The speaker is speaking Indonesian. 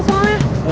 bikin kita semuanya